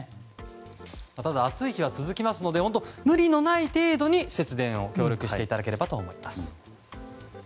暑い日は続きますので無理のない程度に節電を協力していただければと思います。